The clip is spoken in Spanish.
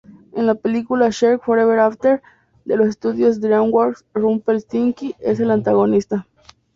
En la película "Shrek Forever After", de los estudios Dreamworks, Rumpelstiltskin es el antagonista.